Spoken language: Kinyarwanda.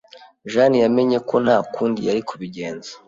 Jeanne yamenye ko nta kundi yari kubigenza.